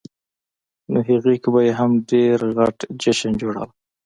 نوهغې کې به یې هم ډېر غټ جشن جوړاوه.